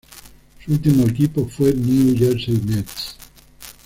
Su último equipo fue New Jersey Nets.